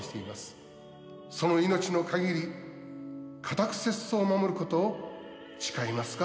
その命の限りかたく節操を守る事を誓いますか？